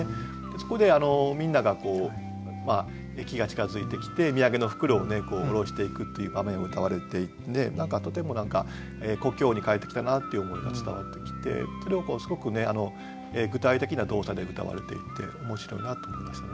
そこでみんなが駅が近づいてきて土産の袋を下ろしていくという場面をうたわれていてとても故郷に帰ってきたなっていう思いが伝わってきてそれをすごく具体的な動作でうたわれていて面白いなと思いましたね。